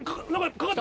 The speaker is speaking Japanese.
かかった、